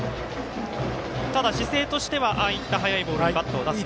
ただ、姿勢としてはああいう速いボールにバットを出すと。